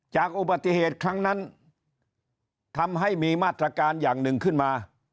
จากอุบัติเหตุครั้งนั้นทำให้มีมาตรการอย่างหนึ่งขึ้นมา